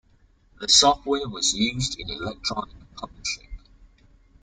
The software was used in electronic publishing.